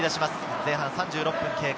前半３６分経過。